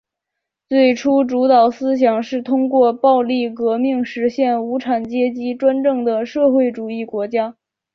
最初主导思想是通过暴力革命实现无产阶级专政的社会主义国家。